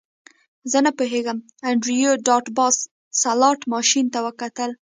زه نه پوهیږم انډریو ډاټ باس سلاټ ماشین ته وکتل